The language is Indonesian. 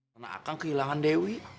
kena akan kehilangan dewi